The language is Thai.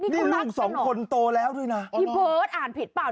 นี่ลูกสองคนโตแล้วด้วยนะพี่เบิร์ตอ่านผิดเปล่า